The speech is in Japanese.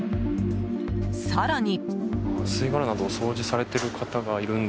更に。